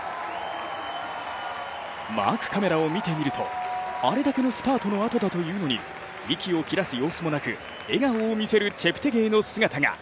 マークカメラを見てみるとあれだけのスパートのあとだというのに息を切らす様子もなく笑顔を見せるチェプテゲイの姿が。